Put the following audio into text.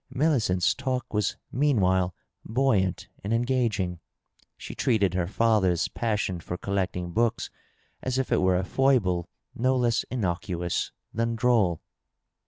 Miaicent's talk was meanwhile buoyant and engaging. She treated her father's passion for collecting books as if it were a foible no less innocuous than droll.